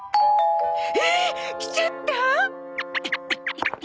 えっ！？来ちゃった？